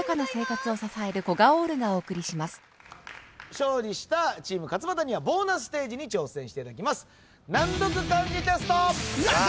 勝利したチーム勝俣にはボーナスステージに挑戦していただきます。